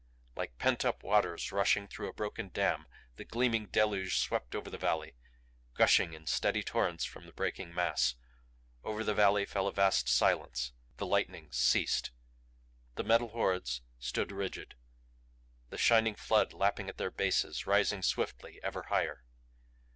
Like pent up waters rushing through a broken dam the gleaming deluge swept over the valley; gushing in steady torrents from the breaking mass. Over the valley fell a vast silence. The lightnings ceased. The Metal Hordes stood rigid, the shining flood lapping at their bases, rising swiftly ever higher.